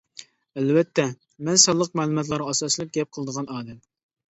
ئەلۋەتتە مەن سانلىق مەلۇماتلارغا ئاساسلىنىپ گەپ قىلىدىغان ئادەم.